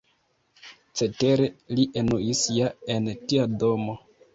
Cetere, li enuis ja en tia domo.